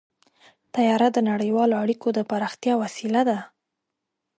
طیاره د نړیوالو اړیکو د پراختیا وسیله ده.